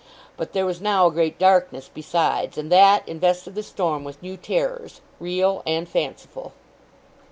But there was now a great darkness besides; and that invested the storm with new terrors, real and fanciful.